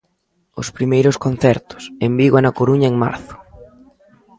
Os primeiros concertos, en Vigo e na Coruña en marzo.